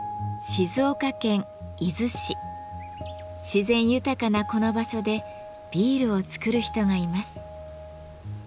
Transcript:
自然豊かなこの場所でビールを作る人がいます。